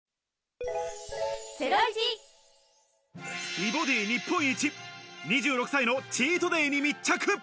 美ボディ日本一、２６歳のチートデイに密着。